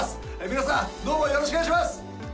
皆さんどうもよろしくお願いします！